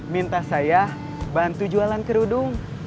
minta saya bantu jualan kerudung